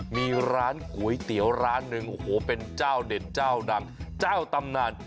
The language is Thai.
มีร้านก๋วยเตี๋ยวร้านหนึ่งโอ้โหเป็นเจ้าเด็ดเจ้าดังเจ้าตำนาน